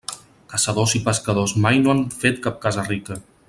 Caçadors i pescadors mai no han fet cap casa rica.